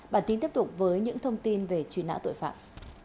bản tin tiếp tục với những thông tin về truy nã tội phạm